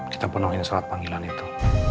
kita penuhin surat panggilan itu